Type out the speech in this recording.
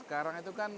sekarang itu kan